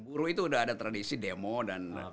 buruh itu udah ada tradisi demo dan